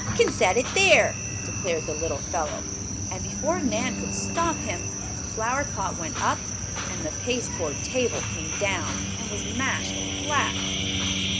"Can set it there!" declared the little fellow, and before Nan could stop him the flower pot went up and the pasteboard table came down and was mashed flat.